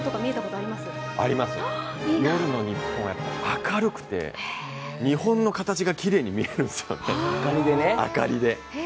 あります、夜の日本は明るくて日本の形がきれいに見えるんですよね、明かりで。